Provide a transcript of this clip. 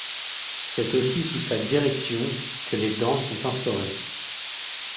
C'est aussi sous sa direction que les dans sont instaurés.